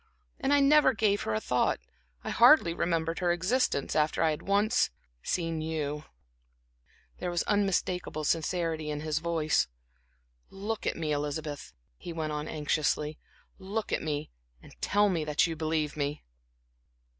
And I never gave her a thought, I hardly remembered her existence, after I had once seen you." There was unmistakable sincerity in his voice. "Look at me, Elizabeth," he went on anxiously, "look at me, and tell me that you believe me."